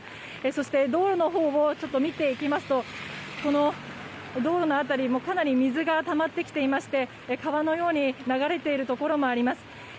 そして、道路のほうも見ていきますと道路の辺り、かなり水がたまってきていまして川のように流れているところもあります。